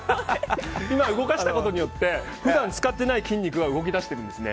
今、動かしたことによって普段使っていない筋肉が動き出しているんですね。